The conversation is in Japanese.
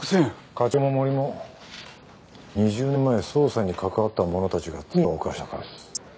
課長も森も２０年前捜査に関わった者たちが罪を犯したからです。